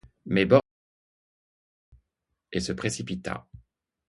Mais Bordenave l'aperçut et se précipita.